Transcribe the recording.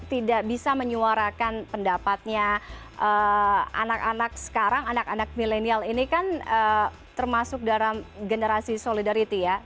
tidak bisa menyuarakan pendapatnya anak anak sekarang anak anak milenial ini kan termasuk dalam generasi solidarity ya